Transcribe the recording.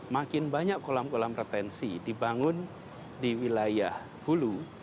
makin banyak kolam kolam retensi dibangun di wilayah hulu